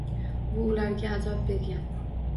Bu ularga azob bergan.